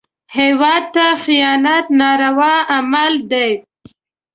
هېواد ته خیانت ناروا عمل دی